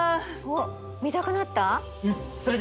おっ見たくなった？